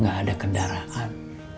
gak ada kendaraan